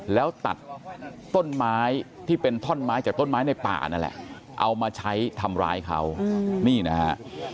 แล้วตัดต้นไม้ที่เป็นท่อนไม้จากต้นไม้ในป่านั่นแหละเอามาใช้ทำร้ายเขานี่นะฮะ